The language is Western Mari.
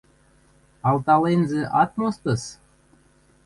– Алталензы ат мостыс...